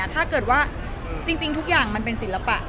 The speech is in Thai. ถ้าเกิดว่าจริงทุกอย่างมันเป็นศิลปะ